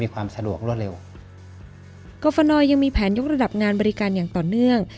กรฟนยังมีแผนยกระดับงานบริการอย่างต่อเนื่อง